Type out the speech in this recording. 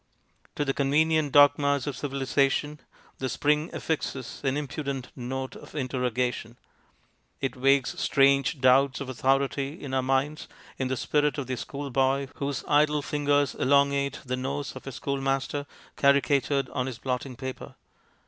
To the convenient dogmas of civi lization the spring affixes an impudent note UNCOMFORTABLE SPRING 201 of interrogation ; it wakes strange doubts of authority in our minds in the spirit of the schoolboy whose idle fingers elongate the nose of his schoolmaster, caricatured on his blotting paper.